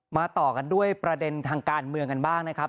ต่อกันด้วยประเด็นทางการเมืองกันบ้างนะครับ